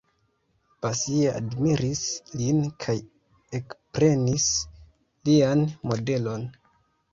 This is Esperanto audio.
Basie admiris lin kaj ekprenis lian modelon.